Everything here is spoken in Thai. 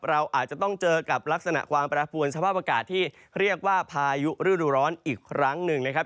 เราอาจจะต้องเจอกับลักษณะความแปรปวนสภาพอากาศที่เรียกว่าพายุฤดูร้อนอีกครั้งหนึ่งนะครับ